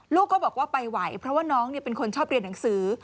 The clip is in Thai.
ลูกก็บอกว่าไปไหวเพราะว่าน้องเป็นคนชอบเรียนหนังสือ